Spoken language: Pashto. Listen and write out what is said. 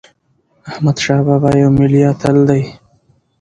احمدشاه بابا یو ملي اتل دی.